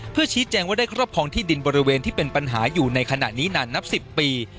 เพื่อชี้แจงว่าได้ครอบครองที่ดินบริเวณที่เป็นปัญหาอยู่ในขณะนี้นานนับ๑๐ปี